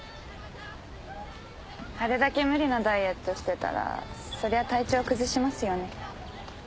あれだけ無理なダイエットしてたらそりゃ体調崩しますよね。